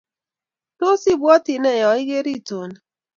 ts ibwoti nee yeigeer itooni